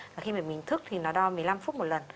và khi mình thức thì nó đo một mươi năm phút một lần